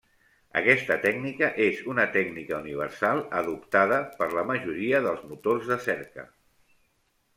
Aquesta tècnica és una tècnica universal adoptada per la majoria dels motors de cerca.